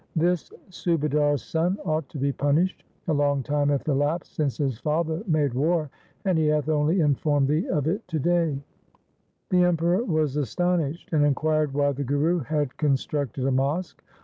This Subadar's son ought to be punished. A long time hath elapsed since his father made war, and he hath only informed thee of it to day.' 140 THE SIKH RELIGION The Emperor was astonished and inquired why the Guru had constructed a mosque.